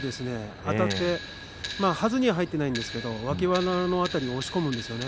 あたって、はずには入っていないんですけど脇腹の辺りを押し込むんですよね。